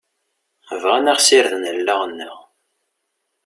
Bɣan ad ɣ-sirden allaɣ-nneɣ.